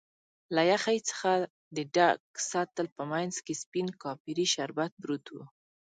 له یخی څخه د ډک سطل په مینځ کې سپین کاپري شربت پروت و.